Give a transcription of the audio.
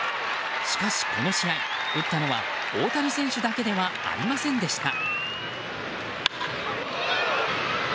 しかし、この試合打ったのは大谷選手だけではありませんでした。